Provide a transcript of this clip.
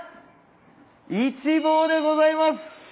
一望でございます。